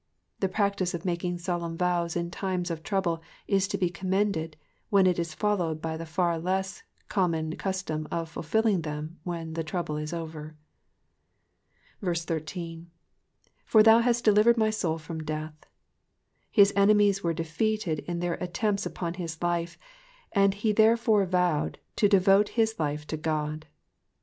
The practice of making solemn vows in times of trouble is to be commended, when it is followed by the far less common custom of fulfilling them when the trouble is over. 13. ''*'For thou hast delivered my soul from death.'''' His enemies were defeated in their attempts upon his life, and therefore he vowed to devote his life to God.